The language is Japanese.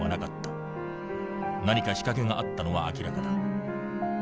何か仕掛けがあったのは明らかだ。